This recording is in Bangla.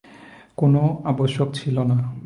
কোনো আবশ্যক ছিল না।